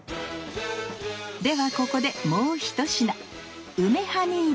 ではここでもう１品！